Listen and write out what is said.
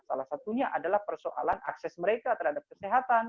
salah satunya adalah persoalan akses mereka terhadap kesehatan